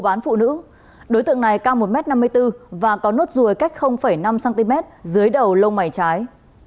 vụ án phụ nữ đối tượng này cao một m năm mươi bốn và có nốt ruồi cách năm cm dưới đầu lông mày trái